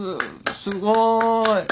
すごーい！